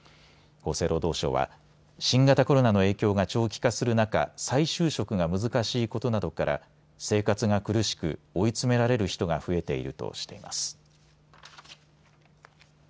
厚生労働省は新型コロナの影響が長期化する中、再就職が難しいことなどから生活が苦しく追い詰められる人が増えているとしています。